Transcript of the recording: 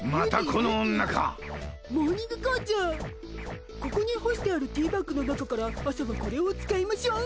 ここにほしてあるティーバッグの中から朝はこれを使いましょう。